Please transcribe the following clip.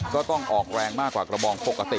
ก็ต้องออกแรงมากกว่ากระบองปกติ